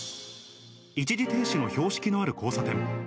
一時停止の標識のある交差点。